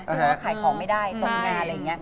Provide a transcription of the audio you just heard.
ทุกคนก็ขายของไม่ได้จงงาน